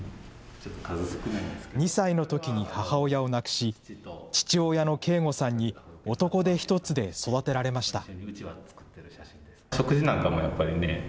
２歳のときに母親を亡くし、父親の圭吾さんに男手一つで育てられました。